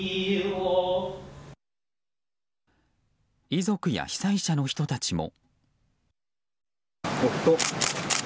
遺族や被災者の人たちも。